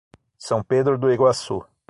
São Pedro do Iguaçu